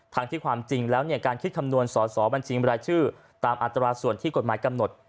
ที่ความจริงแล้วการคิดคำนวณสอสอบัญชีบรายชื่อตามอัตราส่วนที่กฎหมายกำหนด